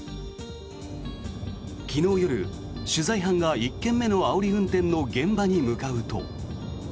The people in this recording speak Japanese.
昨日夜、取材班が１件目のあおり運転の現場に向かうと。